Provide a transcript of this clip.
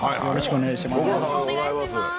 よろしくお願いします。